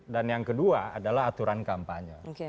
yang kedua adalah aturan kampanye